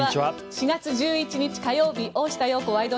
４月１１日、火曜日「大下容子ワイド！